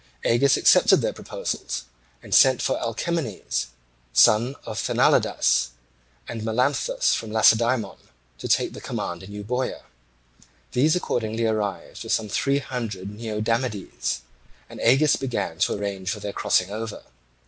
Agis accepted their proposals, and sent for Alcamenes, son of Sthenelaidas, and Melanthus from Lacedaemon, to take the command in Euboea. These accordingly arrived with some three hundred Neodamodes, and Agis began to arrange for their crossing over.